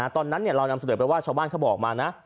ตอนนั้นเรานำเสนอไปว่าชาวบ้านเขาบอกมานะ